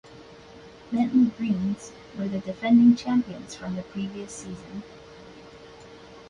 Bentleigh Greens were the defending champions from the previous season.